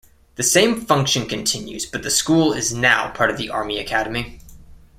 The same function continues, but the School is now part of the Army Academy.